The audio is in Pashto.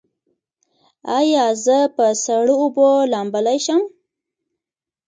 ایا زه په سړو اوبو لامبلی شم؟